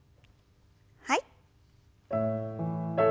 はい。